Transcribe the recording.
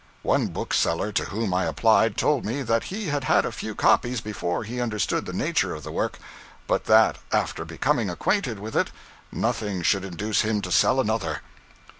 One bookseller to whom I applied told me that he had had a few copies before he understood the nature of the work, but that, after becoming acquainted with it, nothing should induce him to sell another.